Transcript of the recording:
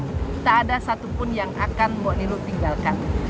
tidak ada satupun yang akan mbok milo tinggalkan